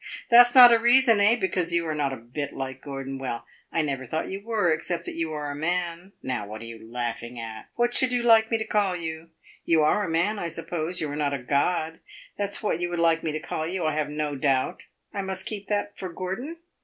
That 's not a reason, eh, because you are not a bit like Gordon. Well, I never thought you were, except that you are a man. Now what are you laughing at? What should you like me call you? You are a man, I suppose; you are not a god. That 's what you would like me to call you, I have no doubt. I must keep that for Gordon?